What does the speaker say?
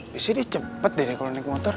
biasanya dia cepet deh kalo naik motor